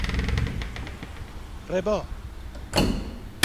ربا